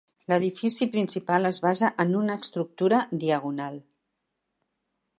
L'edifici principal es basa en una estructura diagonal.